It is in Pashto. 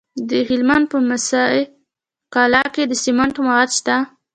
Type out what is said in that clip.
د هلمند په موسی قلعه کې د سمنټو مواد شته.